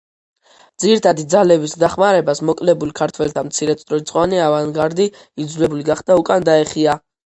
ძირითადი ძალების დახმარებას მოკლებული ქართველთა მცირერიცხოვანი ავანგარდი იძულებული გახდა უკან დაეხია.